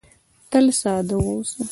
تل ساده واوسه .